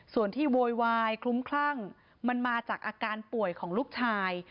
ส่วนที่โวยวายคลุ้มคลั่งมันมาจากอาการป่วยของลูกชาย